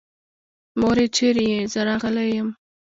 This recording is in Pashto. مورې چېرې يې؟ زه راغلی يم.